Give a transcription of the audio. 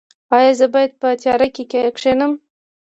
ایا زه باید په تیاره کې کینم؟